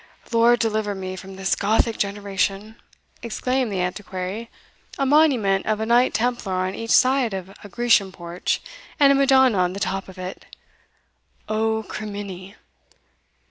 "Lord deliver me from this Gothic generation!" exclaimed the Antiquary, "A monument of a knight templar on each side of a Grecian porch, and a Madonna on the top of it! O crimini!